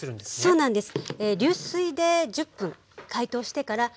そうなんです。